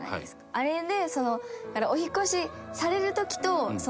あれで。